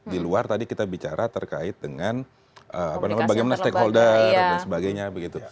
di luar tadi kita bicara terkait dengan bagaimana stakeholder dan sebagainya begitu